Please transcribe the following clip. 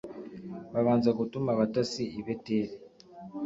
Babanza gutuma abatasi i beteli